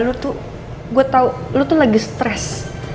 lo tuh gue tahu lo tuh lagi stres